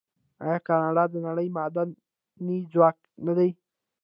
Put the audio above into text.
آیا کاناډا د نړۍ معدني ځواک نه دی؟